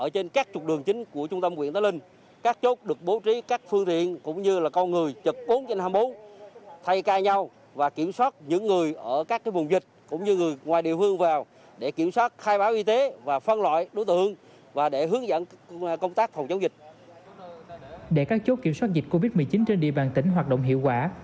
để các chốt kiểm soát dịch covid một mươi chín trên địa bàn tỉnh hoạt động hiệu quả